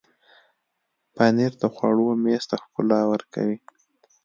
پنېر د خوړو میز ته ښکلا ورکوي.